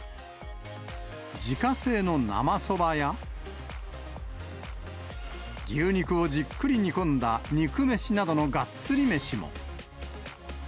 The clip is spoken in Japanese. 自家製の生そばや、牛肉をじっくり煮込んだ肉めしなどのがっつり飯も。